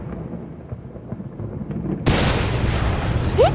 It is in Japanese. えっ？